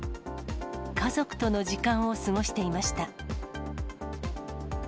家族との時間を過ごしていました。